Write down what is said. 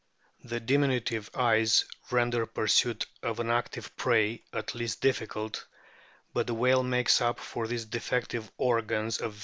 The diminutive eyes render pursuit of an active prey at least difficult, but the whale makes up for these defective organs of vision